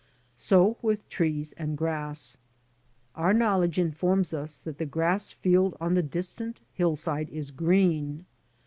So with trees and grass. Our knowledge informs us that the grass field on the distant hillside is green.